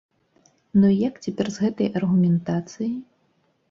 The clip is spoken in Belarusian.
Ну і як цяпер з гэтай аргументацыяй?